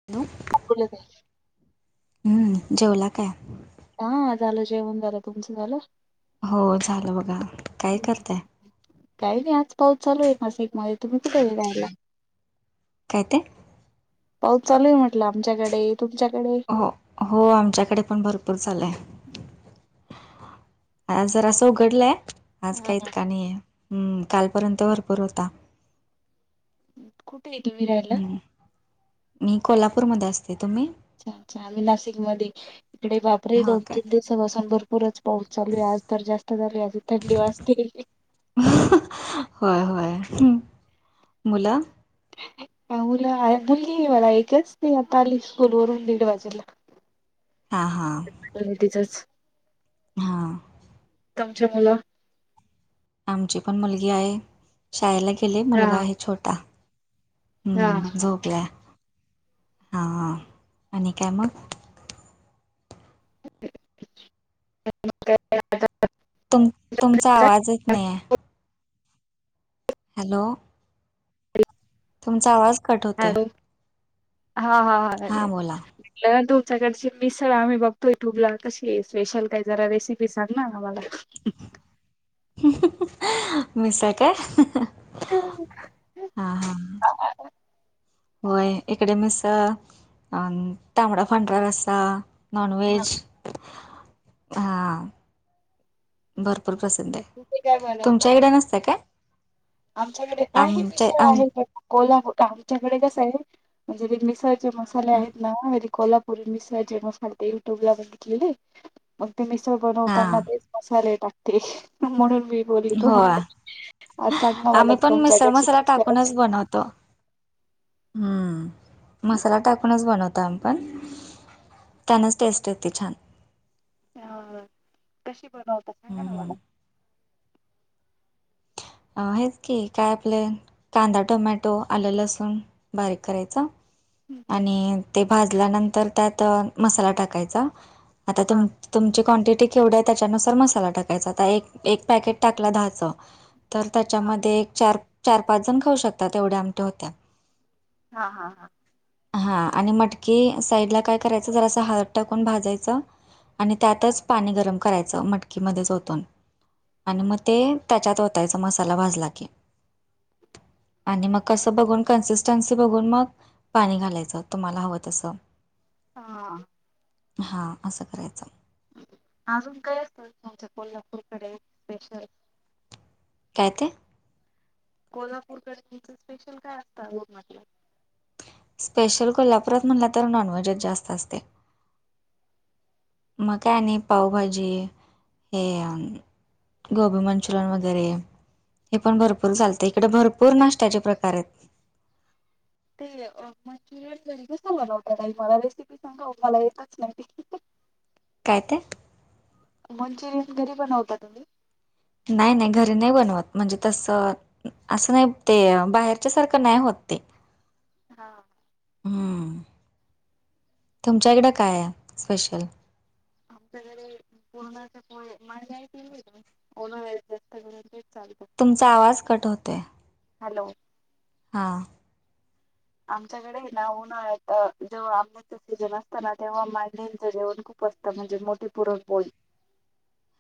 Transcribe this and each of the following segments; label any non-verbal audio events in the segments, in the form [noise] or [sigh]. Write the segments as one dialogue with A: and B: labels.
A: हॅो
B: खु दे
A: जेवला काय
B: हा झालं जेवण झालं तुमचं झालं
A: हो झालं बघा काय करताय
B: काही नाही आज पाऊस चालू आहे नासिक मध्ये तुम्ही कुठे घऊ राला
A: काय ते
B: पाऊस चालूय म्हटलं आमच्याकडे तुमच्याकडे
A: हो हो आमच्याकडे पण भरपूर चाल आहे आ जर असं उघडलंय आज का इतका नाहीय हम् कालपर्यंत भरपूर होता
B: कुठे येत वीरला
A: हम्म मी कोल्हापूरमध्ये असते तुम्ही
B: अच्छा अच्छा आम्ही नाशिक ममध्ये इकडे वापरे
A: हो
B: दोन
A: काय
B: तीन दिवस सून भरपूरच पाऊस चालू आहे आज तर जास्त झालू आजी थंडी वाजते ग
A: होय होय मुूला
B: मुला मुलगी मला एकच ते आता आली स्कूल वरून दीड वाजेला
A: हा हा
B: बर टीचर्स
A: हा
B: तमच्या मुला
A: आमची पण मुलगी आहे शाळेला गेले
B: हा
A: मुलगा आहे छोटा
B: हा
A: हम् झोपल्या हा आणि काय मग
B: ह
A: तुम तुमचा
B: काय?
A: आवाजच नाही आहे हॅलो तुमचा आवाज कट होत
B: हॅलो हा हा हा अरे
A: बोला
B: तुमच्याकडची मिसळ आम्ही बघतो युट्यूबला कशी स्पेशल काही जरा रेसिपी सांग ना आम्हाला
A: मीस काय हा हा
B: हम्
A: होय एकडेमसा तांबडा फांडर असा नॉन
B: हा
A: वहेज हां भरपूर प्रेझंट
B: तुम्ही काय
A: आहे तुमच्या
B: बनवताय?
A: इड नसत काय
B: आमच्याकडे आहे
A: आमच्या
B: मििक्सर
A: आम
B: आहे कोल्हापूर आमच्याकडे कस आहे म्हणजे ते मििक्सर जे मसाले आहेत नारी कोल्हापुरी मिस जे मसाले ते युट्यूबला बघितलेले मग ते मिसळ
A: हा
B: बनवताना तेच मसाले टाकते म्हणून मी बोलली तू
A: हो
B: अस
A: आम्ही पण मिसळ मसाला टाकूनच बनवतो हम्म मसाला टाकूनच बनवतो पण त्यांनाच टेस्ट येते छान
B: हा,, कशी बनवता सांगा ना
A: हम्म
B: मला?
A: अ हेच की, काय प्लनऽ कांदा टोमॅटो, आलं लसूण, बारीक करायचा. आणि,, ते भाजल्यानंतर त्यात, मसाला टाकायचा, आता
B: हा
A: तुमऽ तुमची क्वांटिटी केवढी आहे त्याच्यानुसार मसाला टाकायचा, आता एक, एक पॅकेट टाकला दहाचं. तर
B: हा
A: त्याच्यामध्ये, चार चार पाच जण खाऊ शकतात, एवढ्या आमट्या होत्या.
B: हा हा हा,,
A: हा,, आणि मटकी साईडला काय करायचं, जरा असं हळद टाकून भाजायचं. आणि त्यातच पाणी गरम करायचं मटकीमध्ये झोतून आणि मग ते त्याच्यात ओतायचा, मसाला भाजला कीऽ आणि मग कसं बघून, कन्सिस्टन्सी बघून मग,, पाणी घालायचं, तुम्हाला हवं तसं.
B: हा,
A: हा, असं करायचं.
B: अजून काय असत? तुमच्या कोल्हापूरकडे स्पेशल,
A: काय ते?
B: कोल्हापूरकडे तुमचं स्पेशल काय असतं म्हटलं?
A: स्पेशल कोल्हापुरात म्हणला तर नॉनव्हेजच जास्त असतय. मग काय आणि पावभाजी, हेऽ गोबी मंचुरियन वगैरे,, हे पण भरपूर चालतय इकडे, भरपूर नाश्त्याचे प्रकार आहेत.
B: तेऽ री कस बलाव, ताई मला रेसिपी सांगा, मला एतच नाहीती.
A: काय ते?
B: मंचुरियन घरी बनवता तुम्ही?
A: नाही नाही, घरी नाही बनवत, म्हणजे तसंऽ असं नाही ते,, बाहेरच्या सारखं नाही होत ते,
B: हां,
A: हम्म, तुमच्याकडें काय आहे स्पेशल?
B: आमच्याकडे,, पूर्णाचे मांडे, ओन वेळेस जास्त करय तेच चालत.
A: तुमचा आवाज कट होतोय.
B: हॅलो,
A: हां,
B: आमच्याकडे ना, उन्हाळ्यात अ, जेव्हा आऽ सीजन असताना तेव्हा, मांडंच जेवण खूप असतं, म्हणजे मोठी पूरनपोळी.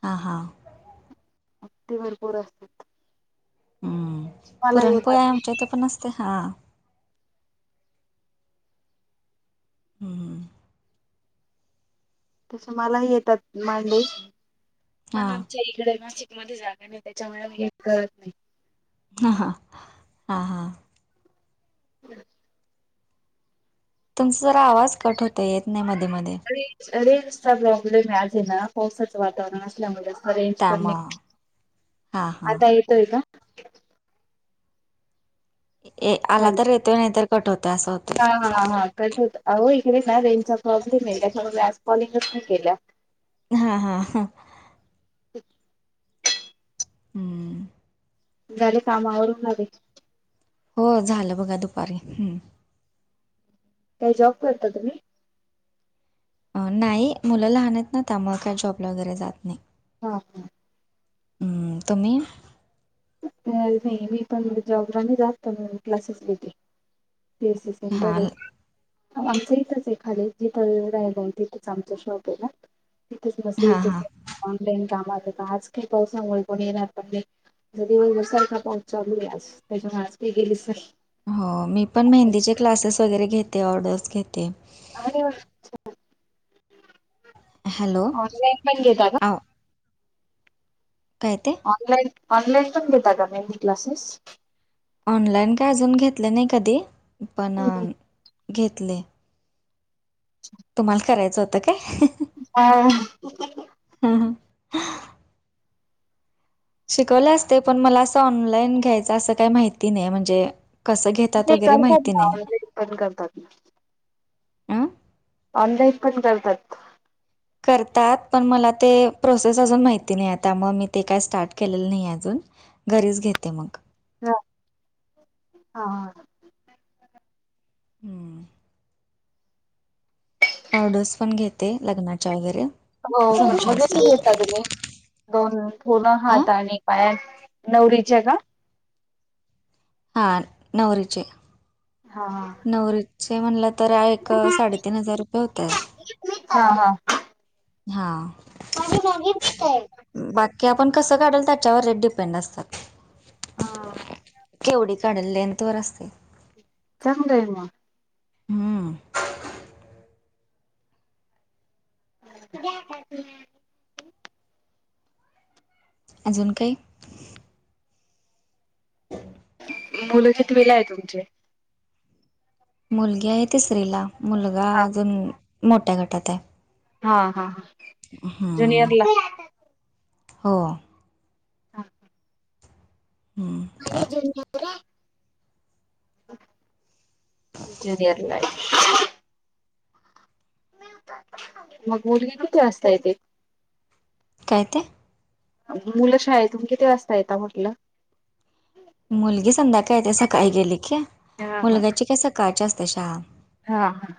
A: हा, हा,
B: ते भरपूर असतात.
A: हम्म,
B: मला येत
A: पुरणपोळ्या आमच्या इथे पण असते, हा,, ह ह,
B: तस मलाही येतात मांडे, पण
A: हां
B: आमच्या इकडेऽ मध्ये जागा नाही, त्याच्यामुळे कळत नाहीऽ
A: हां हां हां, हां, तुमचा जरा आवाज कट होतय,, येत नाही मध्ये मध्ये.
B: र रीलल्सचा प्रॉब्लेम आज, आहे ना पावसाचं वातावरण असल्यामुळे. अ रेंज करणे,
A: त्यामुळं हां हां
B: आता येतोय का?
A: आला
B: हॅलो
A: तर येतोय, नाहीतर कट वतंय असं होतं.
B: हा, हा, हा कट होत, अवो इकडे ना रेंजचा प्रॉब्लेम आहे, त्याच्यामुळे आज कॉलिंगच नाही केल्या.
A: हा हा, हा, हम्म,
B: झाले, कामावरून जाली.
A: हो, झालं बघा दुपारी, ह्,,
B: काय जॉब करता तुम्ही?
A: नाही मुलं लहानत ना त्यामुळेळ काय जॉबला वगैरे जात नाही
B: हां हां
A: तुम्ही
B: नाही मी पण जॉग्रा जात पण क्लासेस भटे पीसस
A: हा
B: सेंटर आहे आमचं इथच आहे खाली जी त आहे गन तिथच आमच शॉप आहे ना इथच म
A: हा हा
B: ऑनलाईन कामातता आज काही पावसामुळे कोण येणार पण दिवस बसाल का पाऊचचा आज त्याच्यामुळे आज त गेली
A: हो मी पण मेहंदीचे क्लासेस वगैरे घेते ऑर्डर्स घेते.
B: आरे वा छान.
A: हॅलो.
B: होरी लाईन पण घेता का?
A: आ काय ते?
B: ऑनलाईन ऑनलाईन पण घेता का मेहंदी क्लासेस.
A: ऑनलाईन काय अजून घेतल नाही कधी पण घेतले.
B: [inaudible]
A: तुम्हाला करायचं होतं काय?
B: हा
A: हा हा. शिकवले असते पण मला असं ऑनलाईन घ्यायच असं काही माहिती नाही म्हणजे. कसं घेतात
B: ते
A: वगैरे
B: करतात
A: माहिती
B: ना
A: नाही.
B: ऑनलाईन पण करतात ना.
A: अ
B: ऑनलाईन पण करतात.
A: करतात पण मला ते प्रोसेस अजून माहिती नाही आता म मी ते काय स्टार्ट केलेलं नाही अजून. घरीच घेते मग.
B: ह हा हा.
A: हम्म. ऑर्डर्स पण घेते लग्नाच्या वगैरे.
B: हो [unintelligible]
A: फंक्शन्सच्या.
B: घेता तुम्ही दोन पूर्ण
A: आ?
B: हाताने. पायानं नवरीचे का?
A: हां नवरीचे.
B: हा हा
A: नवरीचे म्हणलं तर एक साडेतीन हजार रुपये होतात.
B: हा हा.
A: हा.
B: माझी माझी भीक हाय.
A: बाकी आपण कसं काढल त्याच्यावर रेट डिपेंड असतात.
B: हा.
A: केवढी काढल लेंथ वर असतय.
B: चांगलय मग.
A: हम्म्म.
B: [unintelligible]
A: अजून काही?
B: मुलं कितीवीला आहे तुमचे?
A: मुलगी आहे तिसरीला मुलगा
B: हा
A: अजून मोठ्या गटात हाय.
B: हा हा हा.
A: हम्म. हो.
B: आक
A: हम्म.
B: माझ्या जुनियरलाय. जुनिअरलाय. मग मुलगी किती वासता येते.
A: काय ते?
B: मुलं शाळेतून किती वाजता येता म्हटलं.
A: मुलगी संध्याकायेत सकाळी गेली की
B: हा हा
A: मुलग्याची काय सकाळची असते शहा.
B: हा हा.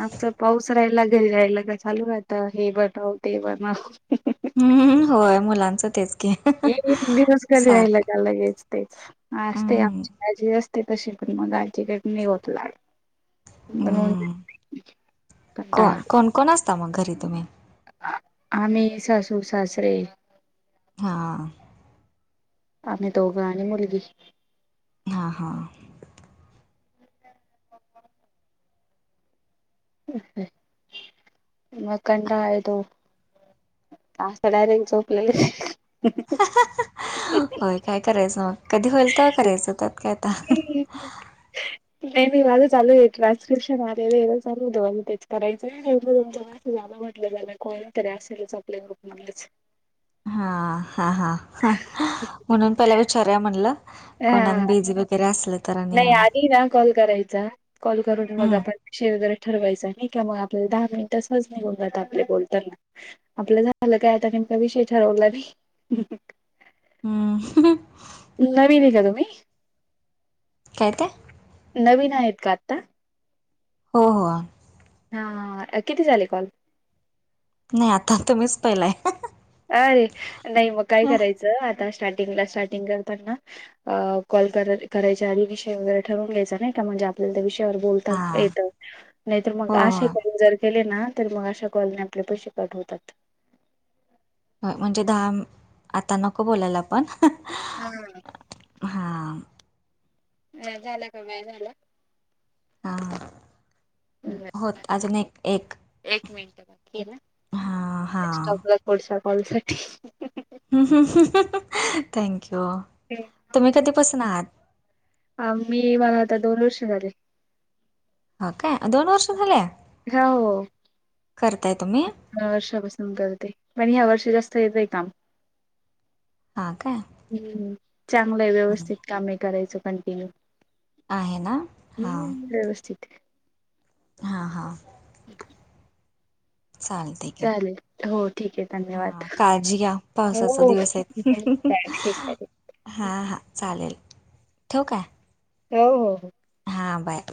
B: आमचा पाऊस राहिला घरी राहिला का चालू राहत हे बनव ते बनव.
A: हम् होय मुलांचं तेच. की
B: एक दिवस करीी राहिला
A: सारखं
B: का लगेच. असते
A: हम्म
B: आमची आजी असते तशी पण मग आजीकडने होत ला.
A: ् को
B: कंटाळा.
A: कोण कोण असता मग घरी तुम्ही.
B: आम्ही सासू सासरे.
A: हां.
B: आमे तो गाणी मुलग.
A: हां हां.
B: म कडयदो. आ स डारे चोपले.
A: होय काय करायचं मग कधी होईल तर करायचं त्यात काय आता.
B: ह.
A: [inaudible]
B: नाही नाही माझं चालू आहे ट्रान्स्क्रिप्शन आलेलं चालू होत म तेच करायचं. झालं म्हटलं झालं कोण तरी असेलच आपल्या ग्रुप मच.
A: हा हा हा म्हणून पला विचार्या म्हणलं कोणा
B: हा
A: बीझी. बे असलं तर. आणि
B: नाही आधी ना कॉल करायचा कॉल करून मग
A: हम्म
B: आपण. शेरजरा ठरवायचं नाही का मग आपल्याला दहा मिनिटं सहज निघून जात आपले बोलताना. आपलं झालं काय आता कमका विषय ठरवला बी.
A: हम्म.
B: नवीन आहे का तुम्ही.
A: काय ते.
B: नवीन आहेत का आता.
A: हो हो.
B: हां किती झाले कॉल.
A: नाही आता तुम्हीच पहिलाय.
B: अरे नाही मग काय करायचं आता स्टार्टिंगला स्टार्टिंग करताना. अ कॉल करायचा आध विषय वगैरे ठरवून घ्यायचा नाही का म्हणजे आपल्याला त्या विषयावर बोल.
A: हा
B: ेत नाहीतर मग
A: हो हो
B: असे कर ज. केले ना तर मग अशा कॉलने आपले पैसे काठवतात.
A: हो म्हणजे दहा आता नको बोलायला आपण.
B: हा. ह झाला का बाय झाला.
A: ह
B: बरं,
A: होत अजून एक एक.
B: एक मिनट बाकी
A: हां हां
B: ना्टॉपला थोडसा कॉल सा.
A: थँक्यू तुम्ही कधीपसून आहात.
B: आ मी मला आता दोन वर्ष झाले.
A: हो काय दोन वर्ष झालेय
B: हा हो
A: करताय तुम्ही.
B: वर्षापासून करते पण ह्या वर्ष जास्त येत आहे काम.
A: हां काय
B: हम्म चांगलं आहे
A: हं.
B: व्यवस्थित काम आहे करायचं कंटिन्यू.
A: आहे ना हां
B: हम्म व्यवस्थित.
A: हा हा.
B: हम्.
A: चालेस.
B: चालेल हो ठीक आहे धन्यवाद
A: काळजी घ्या पावसाचा
B: हो
A: दिवस
B: चाल
A: आहेत
B: ठीक आहे
A: हां हां चालेल ठव काय
B: हो हो हो
A: हां बाय